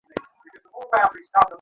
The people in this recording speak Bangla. তো তোমার আপনজনেরা এখানে থাকে?